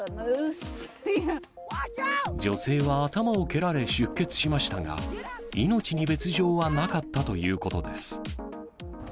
女性は頭を蹴られ出血しましたが、命に別状はなかったということです。